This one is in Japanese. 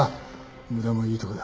無駄もいいとこだ。